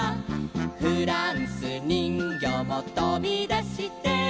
「フランスにんぎょうもとびだして」